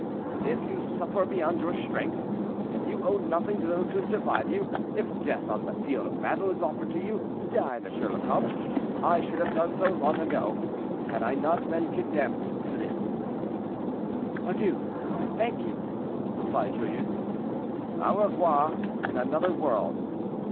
"If you suffer beyond your strength, if you owe nothing to those who survive you, if death on the field of battle is offered to you, die, M. le Comte; I should have done so long ago, had I not been condemned to live." "Adieu, and thank you," replied Joyeuse. "Au revoir in another world."